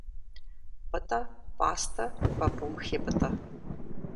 Пӏытӏэ пӏастэ пӏапӏум хепӏытӏэ.